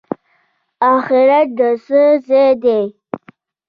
اخرت د څه ځای دی؟